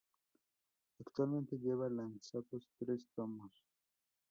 Actualmente, lleva lanzados tres tomos.